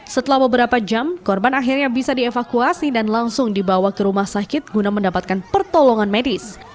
setelah beberapa jam korban akhirnya bisa dievakuasi dan langsung dibawa ke rumah sakit guna mendapatkan pertolongan medis